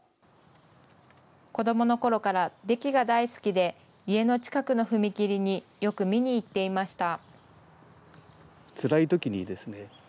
子どものころからデキが大好きで、家の近くの踏切によく見に行っていました。